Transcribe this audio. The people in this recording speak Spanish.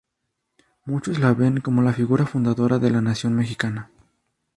Muchos la ven como la figura fundadora de la nación mexicana.